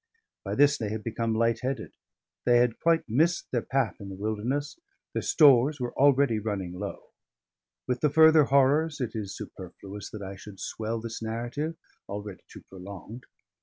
By this they had become light headed, they had quite missed their path in the Wilderness, their stores were already running low. With the further horrors it is superfluous that I should swell this narrative, already too prolonged.